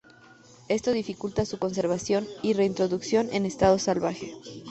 Esto dificulta su conservación y reintroducción en estado salvaje.